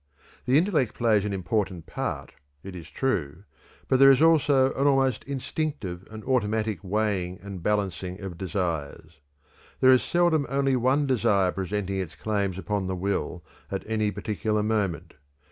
The intellect plays an important part, it is true, but there is also an almost instinctive and automatic weighing and balancing of desires. There is seldom only one desire presenting its claims upon the will at any particular moment.